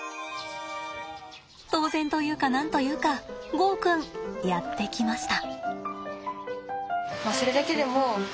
当然というか何と言うかゴーくんやって来ました。